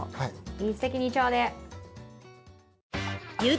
一石二鳥で。